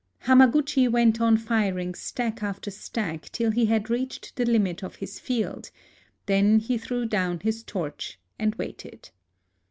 Hamaguchi went on firing stack after stack, till he had reached the limit of his field ; then he threw down his torch, and waited.